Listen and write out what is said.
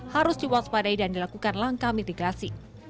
harus diwaspadai dan dilakukan langkah mitigasi